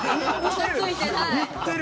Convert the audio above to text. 言ってる？